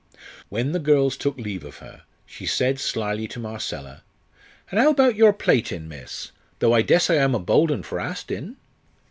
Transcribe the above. When the girls took leave of her, she said slily to Marcella: "An' 'ow about your plaitin', miss? though I dessay I'm a bold 'un for astin'."